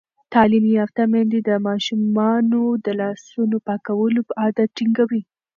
تعلیم یافته میندې د ماشومانو د لاسونو پاکولو عادت ټینګوي.